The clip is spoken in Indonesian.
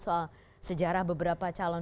soal sejarah beberapa calon